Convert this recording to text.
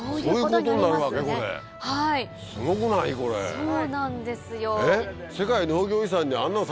そうなんですよ。